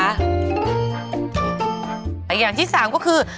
อีกอย่างที่๓ก็คือ